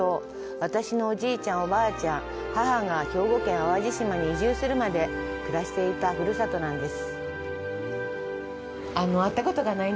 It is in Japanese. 私のおじいちゃん、おばあちゃん、母が、兵庫県淡路島に移住するまで暮らしていたふるさとなんです。